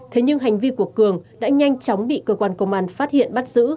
thế nhưng hành vi của cường đã nhanh chóng bị cơ quan công an phát hiện bắt giữ